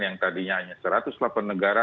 yang tadinya hanya satu ratus delapan negara